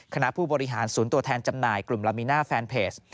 คณะผู้บริหารศูนย์ตัวแทนจำหน่ายกลุ่มลามีน่าแฟนเพจ